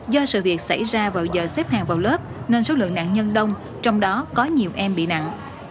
do sự việc xảy ra vào giờ xếp hàng vào lớp nên số lượng nạn nhân đông trong đó có nhiều em bị nặng